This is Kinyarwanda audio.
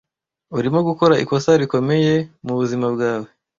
Urimo gukora ikosa rikomeye mubuzima bwawe.